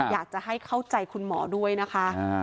อยากจะให้เข้าใจคุณหมอด้วยนะคะ